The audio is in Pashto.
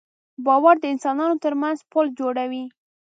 باور د انسانانو تر منځ پُل جوړوي.